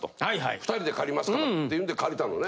２人で借りますから」って言うんで借りたのね。